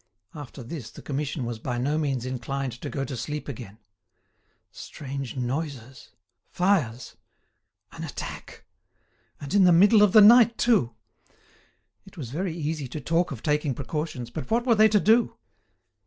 After this the Commission was by no means inclined to go to sleep again. Strange noises! Fires! An attack! And in the middle of the night too! It was very easy to talk of taking precautions, but what were they to do?